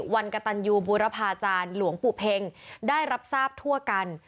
วันกระตันยูบูรพาจารย์หลวงปู่เพ็งได้รับทราบทั่วกัน